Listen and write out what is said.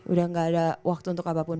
udah gak ada waktu untuk apapun